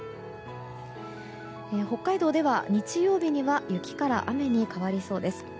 北海道では、日曜日には雪から雨に変わりそうです。